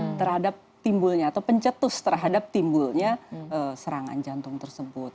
atau terhadap timbulnya atau pencetus terhadap timbulnya serangan jantung tersebut